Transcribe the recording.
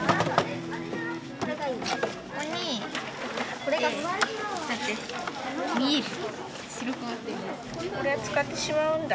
これは使ってしまうんだ。